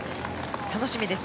楽しみです。